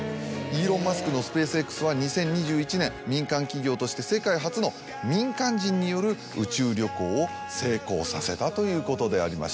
イーロン・マスクのＳｐａｃｅＸは２０２１年民間企業として世界初の民間人による宇宙旅行を成功させたということでありまして。